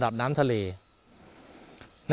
สวัสดีทุกคน